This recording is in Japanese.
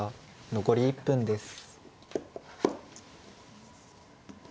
残り１分です。